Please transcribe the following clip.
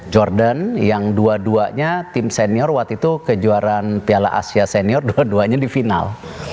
jordan yang dua duanya tim senior waktu itu kejuaraan piala asia senior dua duanya di final